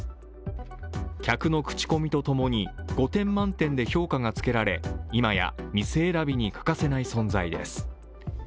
客のクチコミと共に５点満点で評価がつけられ今や店選びに欠かせない存在です。